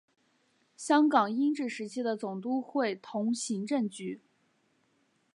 香港英治时期的总督会同行政局。